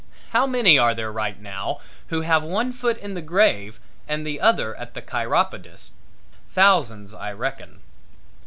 How many are there right now who have one foot in the grave and the other at the chiropodist's? Thousands, I reckon.